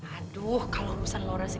aduh kalau rusak laura sih